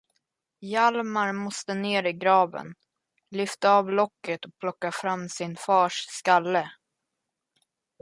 Hjalmar måste ner i graven, lyfta av locket och plocka fram sin fars skalle.